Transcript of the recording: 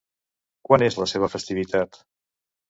Quan és la seva festivitat?